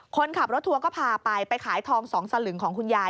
คนขับรถทัวร์ก็พาไปไปขายทอง๒สลึงของคุณยาย